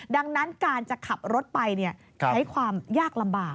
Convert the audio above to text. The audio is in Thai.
ดังนั้นการจะขับรถไปใช้ความยากลำบาก